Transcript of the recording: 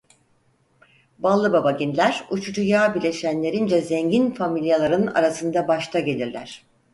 Ballıbabagiller uçucu yağ bileşenlerince zengin familyaların arasında başta gelirler.